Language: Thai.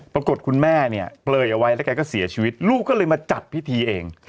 คุณแม่เนี่ยเปลยเอาไว้แล้วแกก็เสียชีวิตลูกก็เลยมาจัดพิธีเอง